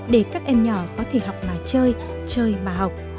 để các em nhỏ có thể học mà chơi chơi mà học